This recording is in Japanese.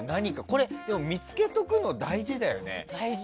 これ見つけておくの大事だよね。